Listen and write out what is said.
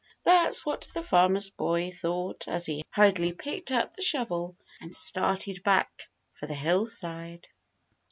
That's what the Farmer's Boy thought as he hurriedly picked up the shovel and started back for the hillside.